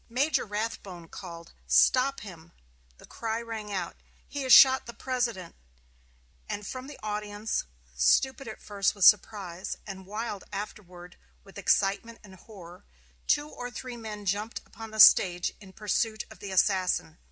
Major Rathbone called, "Stop him!" The cry rang out, "He has shot the President!" and from the audience, stupid at first with surprise, and wild afterward with excitement and horror, two or three men jumped upon the stage in pursuit of the assassin.